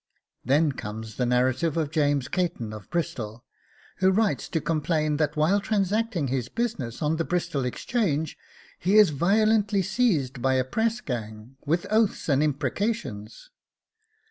Then comes the narrative of James Caton of Bristol, who writes to complain that while transacting his business on the Bristol Exchange he is violently seized by a pressgang, with oaths and imprecations.